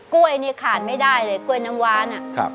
กล้วยนี่ขาดไม่ได้เลยกล้วยน้ำว้าน